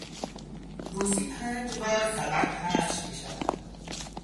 روزی پنج بار خبر پخش میشود.